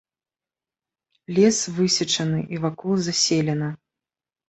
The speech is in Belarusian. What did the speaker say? Лес высечаны, і вакол заселена.